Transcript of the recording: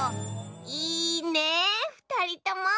いいねえふたりとも。